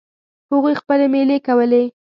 هغوی خپلې میلې کولې.